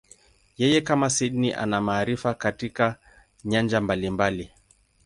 Yeye, kama Sydney, ana maarifa katika nyanja mbalimbali.